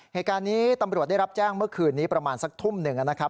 เหตุการณ์นี้ตำรวจได้รับแจ้งเมื่อคืนนี้ประมาณสักทุ่มหนึ่งนะครับ